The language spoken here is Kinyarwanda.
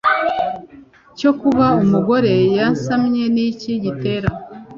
cyo kuba umugore yasamye ni iki gitera